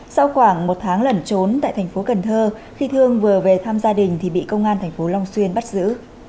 sau khoảng một tháng lẩn trốn tại thành phố cần thơ khi thương vừa về thăm gia đình thì bị công an thành phố long xuyên bắt giữ